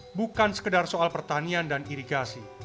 s fugak bukan sekedar soal pertanian dan irigasi